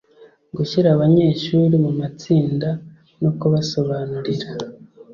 Gushyira abanyeshuri mu matsinda no kubasobanurira